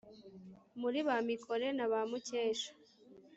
muri ba mikore naba mukesha